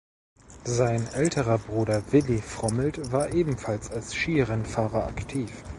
Sein älterer Bruder Willi Frommelt war ebenfalls als Skirennfahrer aktiv.